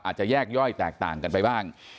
อาจจะแยกย่อยแตกต่างกันไปบ้าง